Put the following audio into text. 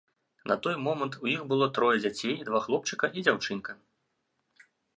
На той момант у іх было трое дзяцей, два хлопчыка і дзяўчынка.